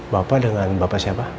bapak dengan bapak siapa